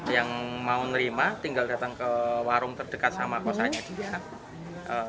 yang mau nerima tinggal datang ke warung terdekat sama kosanya juga